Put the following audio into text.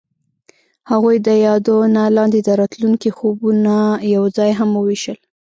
هغوی د یادونه لاندې د راتلونکي خوبونه یوځای هم وویشل.